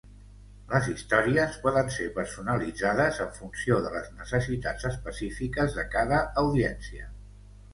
Les històries poden ser personalitzades en funció de les necessitats específiques de cada audiència.